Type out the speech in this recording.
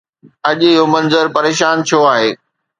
اڄ اهو منظر پريشان ڇو آهي؟